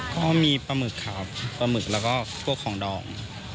ก็มีปลาหมึกครับปลาหมึกแล้วก็พวกของดอง